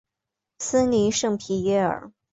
森林圣皮耶尔。